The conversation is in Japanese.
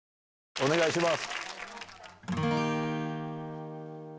お願いします。